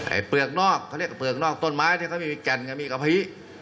เปลือกนอกเขาเรียกเปลือกนอกต้นไม้ที่เขาไม่มีแก่นก็มีกะพี